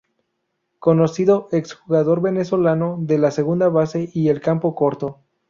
Conocido ex-jugador venezolano de la segunda base y el campo corto.